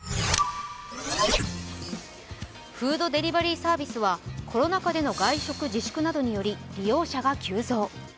フードデリバリーサービスはコロナ禍での外出自粛などにより利用者が急増。